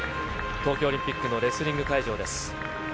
東京オリンピックのレスリング会場です。